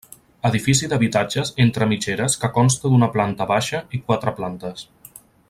Edifici d'habitatges entre mitgeres que consta d'una planta baixa i quatre plantes.